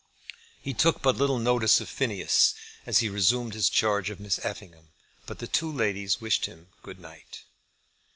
He took but little notice of Phineas as he resumed his charge of Miss Effingham; but the two ladies wished him good night.